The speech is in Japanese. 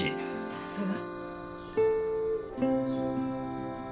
さすが。